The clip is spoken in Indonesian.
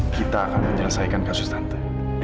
kita akan menyelesaikan kasus tante